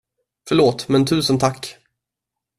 Förlåt, men tusen tack!